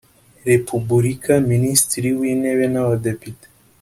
Repubulika Minisitiri W Intebe N Abadepite